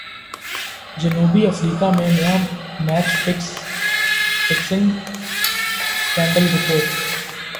جنوبی افریقہ میں نیا میچ فکسنگ سکینڈل رپورٹ